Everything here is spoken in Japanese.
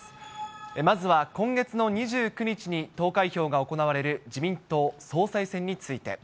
まずは今月の２９日に投開票が行われる自民党総裁選について。